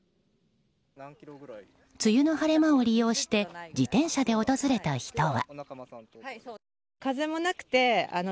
梅雨の晴れ間を利用して自転車で訪れた人は。